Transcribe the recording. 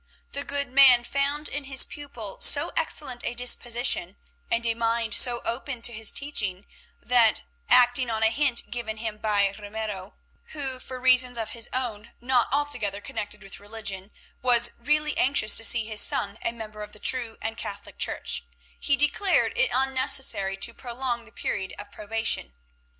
The good man found in his pupil so excellent a disposition and a mind so open to his teaching that, acting on a hint given him by Ramiro, who, for reasons of his own not altogether connected with religion, was really anxious to see his son a member of the true and Catholic Church, he declared it unnecessary to prolong the period of probation.